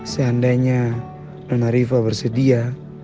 seandainya nona riva bersedia